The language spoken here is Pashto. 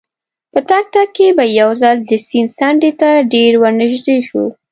په تګ تګ کې به یو ځل د سیند څنډې ته ډېر ورنژدې شوو.